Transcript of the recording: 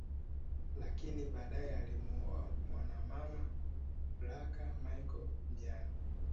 Lakini badae alimuoa mwanamama Graca Michael mjane